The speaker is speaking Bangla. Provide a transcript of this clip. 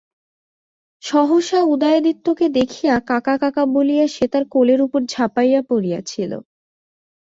সহসা উদয়াদিত্যকে দেখিয়া কাকা কাকা বলিয়া সে তাঁহার কোলের উপর ঝাঁপাইয়া পড়িয়াছিল।